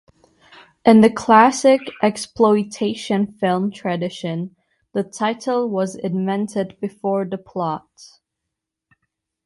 In the classic exploitation film tradition, the title was invented before the plot.